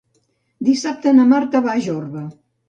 Dissabte na Marta va a Jorba.